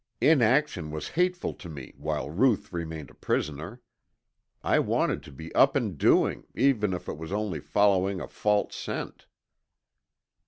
Inaction was hateful to me while Ruth remained a prisoner. I wanted to be up and doing, even if it was only following a false scent.